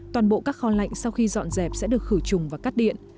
toàn bộ các kho lạnh sau khi dọn dẹp sẽ được khử trùng và cắt điện